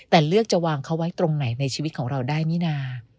แต่เลือกจะวางเขาไว้ตรงไหนในชีวิตของเราได้นี่นา